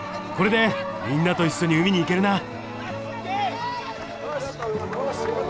これでみんなと一緒に海に行けるな。